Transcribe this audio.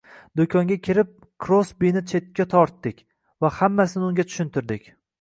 Do`konga kirib, Krosbini chetga tortdik va hammasini unga tushuntirdik